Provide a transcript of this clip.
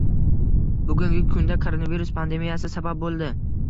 Bugungi kunda koronavirus pandemiyasi sabab bo'ldi